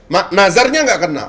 mak nazarnya nggak kena